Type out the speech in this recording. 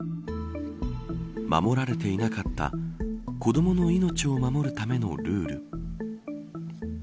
守られていなかった子どもの命を守るためのルール。